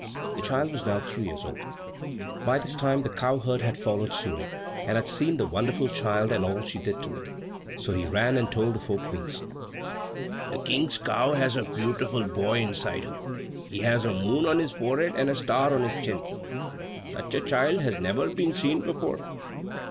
The child was now three years old. But this time the cowherd had followed Suri, and had seen the wonderful child and all she did to it. So he ran and told the four Queens, "The King's cow has a beautiful boy inside her. He has a moon on his forehead and a star on his chin. Such a child has never been seen before!"